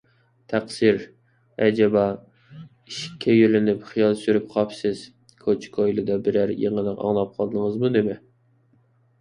تەقسىر، ئەجەبا، ئىشىككە يۆلىنىپ خىيال سۈرۈپ قاپسىز، كوچا - كويلىدا بىرەر يېڭىلىق ئاڭلاپ قالدىڭىزمۇ نېمە؟